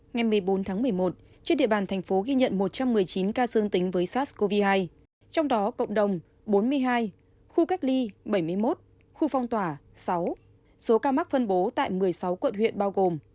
ngày một mươi bốn tháng một mươi một trên địa bàn thành phố ghi nhận một trăm một mươi chín ca dương tính với sars cov hai trong đó cộng đồng bốn mươi hai khu cách ly bảy mươi một khu phong tỏa sáu số ca mắc phân bố tại một mươi sáu quận huyện bao gồm